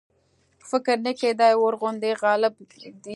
فکر نه کېدی ورباندي غالب دي شي.